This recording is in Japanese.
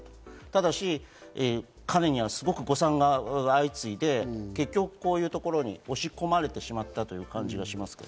ただし、彼には誤算が相次いで結局、こういうところに押し込まれてしまったという感じがしますね。